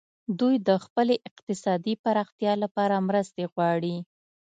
دوی د خپلې اقتصادي پراختیا لپاره مرستې غواړي